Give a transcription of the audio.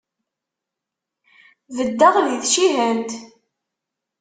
Beddeɣ di tcihant.